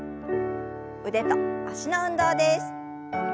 腕と脚の運動です。